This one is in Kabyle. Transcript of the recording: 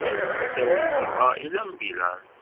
Tessawel yemma i lambilanṣ.